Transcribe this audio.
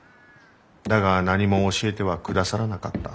だが何も教えてはくださらなかった。